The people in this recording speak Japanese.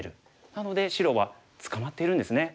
なので白は捕まっているんですね。